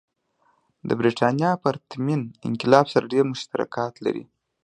د برېټانیا پرتمین انقلاب سره ډېر مشترکات لري.